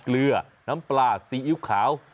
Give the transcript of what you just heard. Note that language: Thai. เกลือน้ำปลาซีอิ๊วขาว